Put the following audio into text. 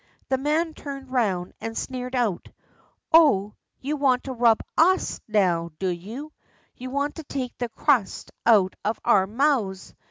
The man turned round and sneered out, "Oh, you want to rob us now, do you? You want to take the crust out of our mouths.